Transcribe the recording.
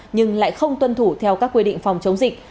nhưng lại không tuân thủ theo các quy định phòng chống dịch